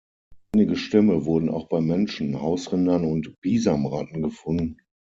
Einige Stämme wurden auch bei Menschen, Hausrindern und Bisamratten gefunden.